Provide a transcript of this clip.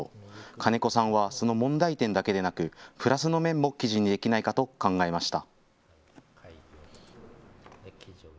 金子さんはその問題点だけでなくプラスの面も記事にできないかと考えました。